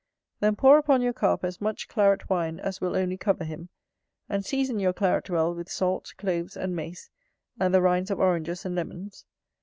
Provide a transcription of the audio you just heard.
Then pour upon your Carp as much claret wine as will only cover him; and season your claret well with salt, cloves, and mace, and the rinds of oranges and lemons.